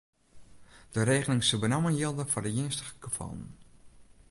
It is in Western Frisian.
De regeling sil benammen jilde foar earnstige gefallen.